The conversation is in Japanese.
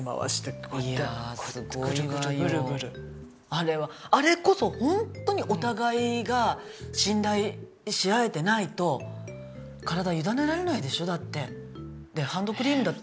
あれはあれこそホントにお互いが信頼し合えてないと体委ねられないでしょだって。